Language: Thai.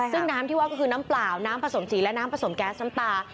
ซึ่งน้ำที่ว่าก็คือน้ำเปล่าน้ำผสมสีและน้ำผสมแก๊สน้ำตา